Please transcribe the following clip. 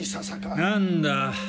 何だ？